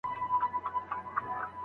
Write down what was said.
د څېړني معیار نه ټیټول کېږي.